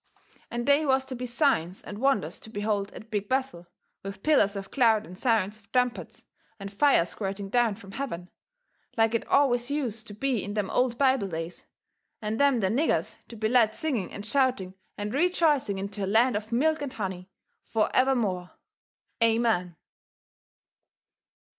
And they was to be signs and wonders to behold at Big Bethel, with pillars of cloud and sounds of trumpets and fire squirting down from heaven, like it always use to be in them old Bible days, and them there niggers to be led singing and shouting and rejoicing into a land of milk and honey, forevermore, AMEN!